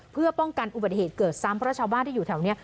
เพื่อป้องกันอุบัติเหตุเกิดซ้ำเพราะชาวบ้านที่อยู่แถวนี้